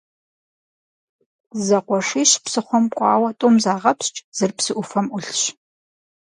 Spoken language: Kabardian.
Зэкъуэшищ псыхъуэм кӀуауэ, тӀум загъэпскӀ, зыр псы Ӏуфэм Ӏулъщ.